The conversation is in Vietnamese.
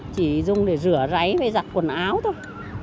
chỉ dùng để rửa ráy phải giặt quần áo thôi